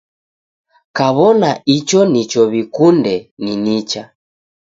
Kaw'ona icho nicho w'ikunde ni nicha.